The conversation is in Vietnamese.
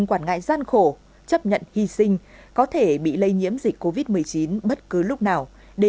quản ngại gian khổ chấp nhận hy sinh có thể bị lây nhiễm dịch covid một mươi chín bất cứ lúc nào để